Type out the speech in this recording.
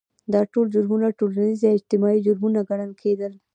دا ټول جرمونه ټولنیز یا اجتماعي جرمونه ګڼل کېدل.